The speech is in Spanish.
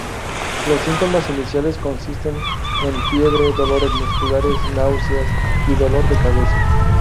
Los síntomas iniciales consisten en fiebre, dolores musculares, náuseas y dolor de cabeza.